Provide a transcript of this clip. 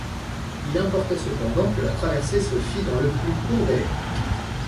Il importait, cependant, que la traversée se fit dans le plus court délai.